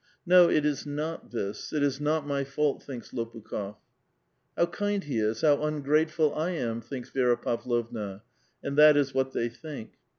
" No, it is not this ; it is not my fault," thinks Lopukh6f. " How kind he is ; how ungrateful 1 am !" thinks Vi6ra Pavlovna. And that is what they think.